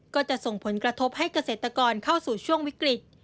ก็จะส่งผลกระทบให้เกษตรกรเข้าสู่ช่วงวิกฤต